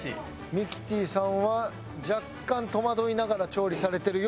ミキティさんは若干戸惑いながら調理されてるように見えます。